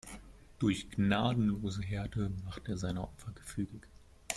Durch gnadenlose Härte macht er seine Opfer gefügig.